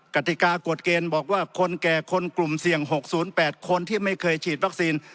กติกากฎเกณฑ์บอกว่าคนแก่คนกลุ่มเสี่ยง๖๐๘คนที่ไม่เคยฉีดวัคซีน